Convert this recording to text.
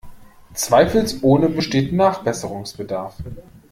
Zweifelsohne besteht Nachbesserungsbedarf.